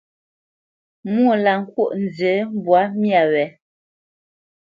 Mwô lâ ŋkwóʼ nzi mbwǎ myâ wě.